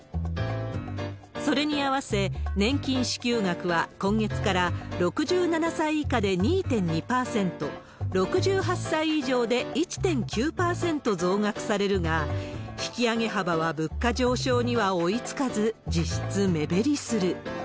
それに合わせ、年金支給額は今月から６７歳以下で２．２％、６８歳以上で１．９％増額されるが、引き上げ幅は物価上昇には追いつかず、実質目減りする。